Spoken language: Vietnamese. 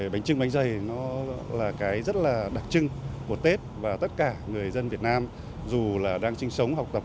bánh trưng bánh dày nó là cái rất là đặc trưng của tết và tất cả người dân việt nam dù là đang sinh sống học tập